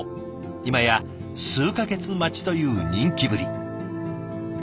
今や数か月待ちという人気ぶり。